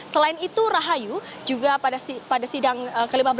selain itu rahayu juga pada sidang ke lima belas